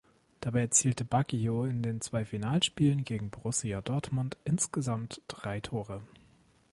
Dabei erzielte Baggio in den zwei Finalspielen gegen Borussia Dortmund insgesamt drei Tore.